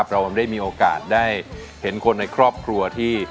เราได้มีโอกาสได้เห็นคนในครอบครัวที่